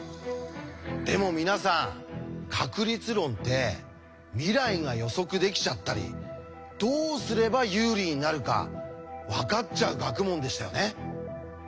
でも皆さん確率論って未来が予測できちゃったりどうすれば有利になるか分かっちゃう学問でしたよね。